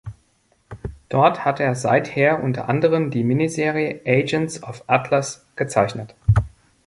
Dort hat er seither unter anderem die Miniserie "Agents of Atlas" gezeichnet.